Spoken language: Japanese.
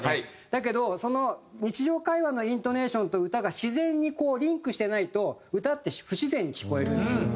だけどその日常会話のイントネーションと歌が自然にリンクしてないと歌って不自然に聞こえるんですよ。